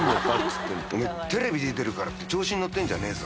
お前テレビ出てるからって調子に乗ってんじゃねえぞ。